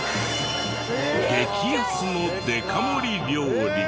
激安のデカ盛り料理。